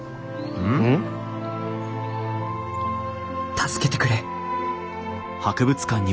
「助けてくれ」。